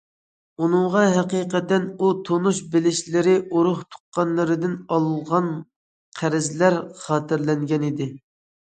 ئۇنىڭغا ھەقىقەتەن ئۇ تونۇش- بىلىشلىرى، ئۇرۇق- تۇغقانلىرىدىن ئالغان قەرزلەر خاتىرىلەنگەنىدى.